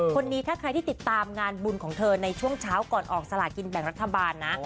คนนี้ถ้าใครที่ติดตามงานบุญของเธอในช่วงเช้าก่อนออกสลากินแบ่งรัฐบาลนะ